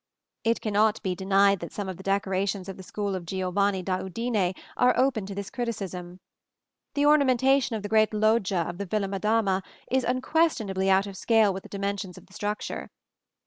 It cannot be denied that some of the decorations of the school of Giovanni da Udine are open to this criticism. The ornamentation of the great loggia of the Villa Madama is unquestionably out of scale with the dimensions of the structure.